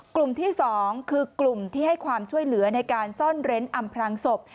กลุ่มที่๒คือกลุ่มที่ให้ความช่วยเหลือในการซ่อนเร้นอำพลังศพ